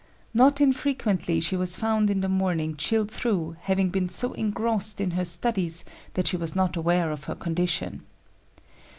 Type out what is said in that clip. Not infrequently she was found in the morning chilled through, having been so engrossed in her studies that she was not aware of her condition.